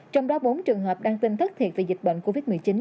trong đó bốn trường hợp đăng tin thất thiệt về dịch bệnh covid một mươi chín